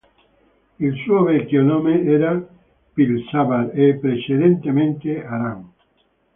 Il suo vecchio nome era Pil-savar e precedentemente Aran.